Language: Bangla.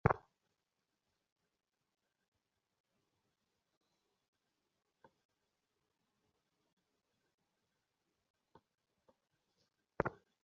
সরলাকে তুমি বিয়ে করলে না কেন।